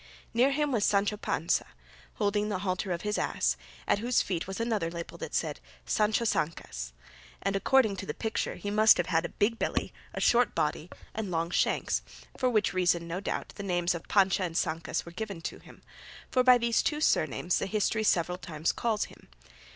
Near him was Sancho Panza holding the halter of his ass, at whose feet was another label that said, "Sancho Zancas," and according to the picture, he must have had a big belly, a short body, and long shanks, for which reason, no doubt, the names of Panza and Zancas were given him, for by these two surnames the history several times calls him.